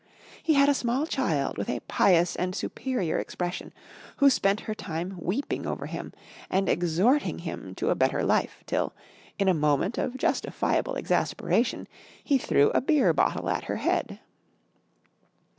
He had a small child with a pious and superior expression, who spent her time weeping over him and exhorting him to a better life, till, in a moment of justifiable exasperation, he threw a beer bottle at her head.